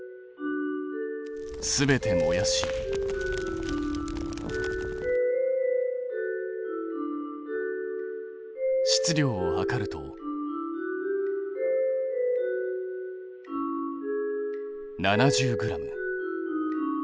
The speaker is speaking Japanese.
全て燃やし質量を量ると７０ｇ。